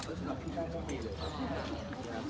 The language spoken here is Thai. พวกทีนี้ชุดเราบางอย่าง